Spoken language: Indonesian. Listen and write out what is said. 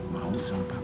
mau sama papi